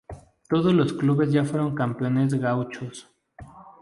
Todos los clubes ya fueron campeones gauchos.